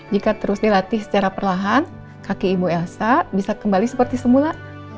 jika terus dilatih secara perlahan kaki ibu elsa bisa kembali seperti semula